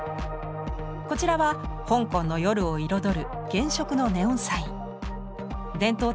こちらは香港の夜を彩る原色のネオンサイン。